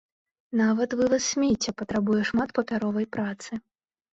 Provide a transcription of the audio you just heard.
Нават вываз смецця патрабуе шмат папяровай працы.